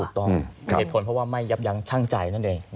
เหตุผลเพราะว่าไม่ยับยังช่างใจ